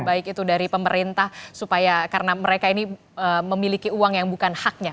baik itu dari pemerintah supaya karena mereka ini memiliki uang yang bukan haknya